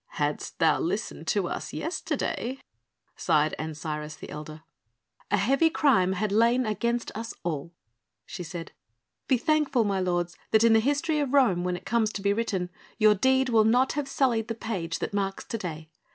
"Hadst thou listened to us yesterday ..." sighed Ancyrus, the elder. "A heavy crime had lain against us all," she said. "Be thankful, my lords, that in the history of Rome when it comes to be written, your deed will not have sullied the page that marks to day.